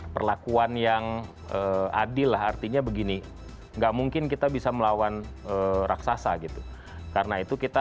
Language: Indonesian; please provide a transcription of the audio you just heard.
perlakuan yang adil lah artinya begini enggak mungkin kita bisa melawan raksasa gitu karena itu kita